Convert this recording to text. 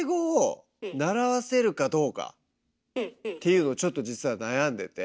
っていうのをちょっと実は悩んでて。